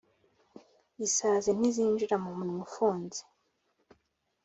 isazi ntizinjira mumunwa ufunze